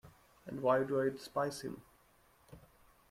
And why do I despise him?